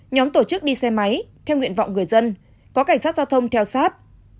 nhóm tổ chức đi xe máy theo nguyện vọng người dân có cảnh sát giao thông theo sát